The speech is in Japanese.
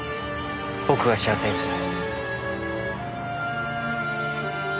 僕が幸せにする。